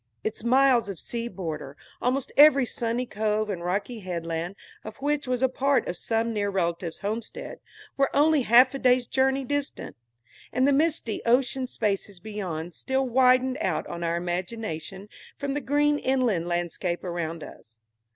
Its miles of sea border, almost every sunny cove and rocky headland of which was a part of some near relative's homestead, were only half a day's journey distant; and the misty ocean spaces beyond still widened out on our imagination from the green inland landscape around us.